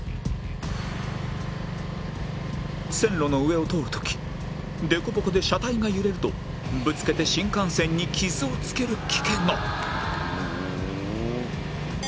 線路の上を通る時凸凹で車体が揺れるとぶつけて新幹線に傷をつける危険が